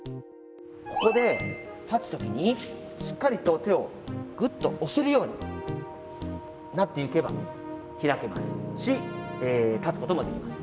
ここで立つ時にしっかりと手をぐっと押せるようになっていけば開けますし立つこともできます。